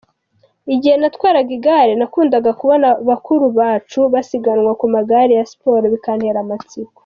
Igihe natwaraga igare nakundaga kubona bakuru bacu basiganwa ku magare ya siporo bikantera amatsiko.